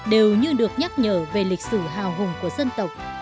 đều như được nhắc nhở về lịch sử hào hùng của dân tộc